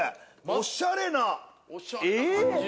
おしゃれな感じ。